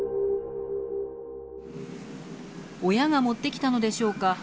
親が持ってきたのでしょうか。